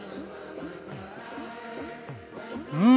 うん！